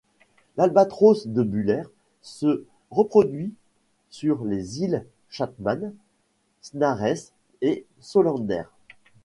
L'Albatros de Buller se reproduit sur les îles Chatham, Snares et Solander.